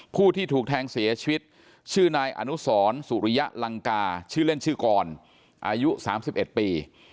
ผู้ที่ถูกแทงเสียชีวิตชื่อนายอนุสรสุริยะลังกาชื่อเล่นชื่อกรอายุ๓๑ปี